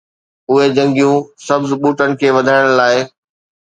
اهي جڳهيون سبز ٻوٽن کي وڌائڻ لاء